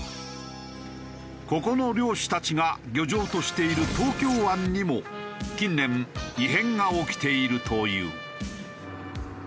ここの漁師たちが漁場としている東京湾にも近年異変が起きているという。